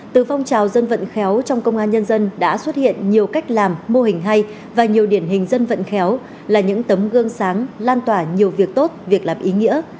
từ phong trào dân vận khéo trong công an nhân dân đã xuất hiện nhiều cách làm mô hình hay và nhiều điển hình dân vận khéo là những tấm gương sáng lan tỏa nhiều việc tốt việc làm ý nghĩa